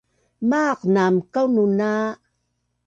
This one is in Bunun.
Maaq naam kaunun a